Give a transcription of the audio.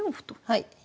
はい。